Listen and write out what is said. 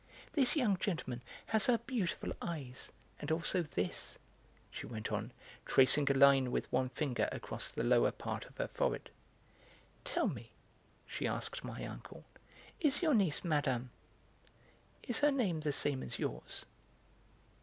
This young gentleman has her beautiful eyes, and also this," she went on, tracing a line with one finger across the lower part of her forehead. "Tell me," she asked my uncle, "is your niece Mme. ; is her name the same as yours?"